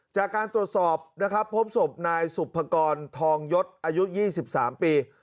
จากการตรวจสอบนะครับพบศพนายสุภกรทองยศอายุ๒๓ปี